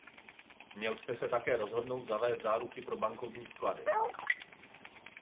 Měl jste se také rozhodnout zavést záruky pro bankovní vklady.